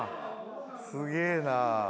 すげえな。